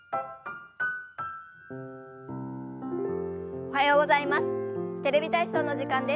おはようございます。